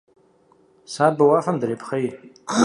Сабэ уафэм дрепхъей.